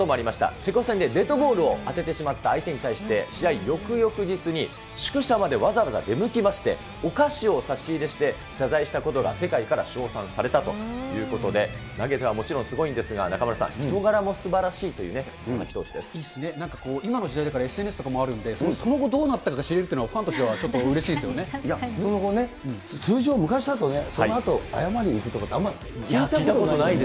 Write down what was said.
チェコ戦でデッドボールを当ててしまった相手に対して、試合翌々日に、宿舎までわざわざ出向きまして、お菓子を差し入れして謝罪したことが、世界から称賛されたということで、投げてはもちろんすごいんですが、中丸さん、人柄もすば今の時代だからＳＮＳとかもあるんで、その後どうなったか知れるのは、ファンとしてはうれしその後ね、通常昔だとね、そのあと謝りに行くとかってあんまり聞いたことがない。